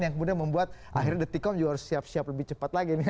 yang kemudian membuat akhirnya the t com juga harus siap siap lebih cepat lagi